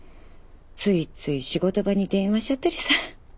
ついつい仕事場に電話しちゃったりさ。